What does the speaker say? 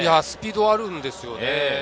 スピードあるんですよね。